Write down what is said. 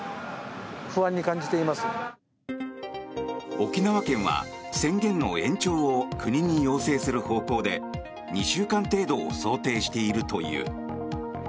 沖縄県は宣言の延長を国に要請する方向で２週間程度を想定しているという。